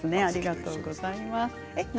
ありがとうございます。